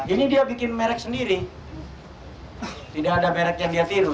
ini dia bikin merek sendiri tidak ada merek yang dia tiru